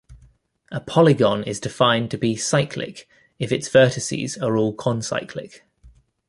A polygon is defined to be cyclic if its vertices are all concyclic.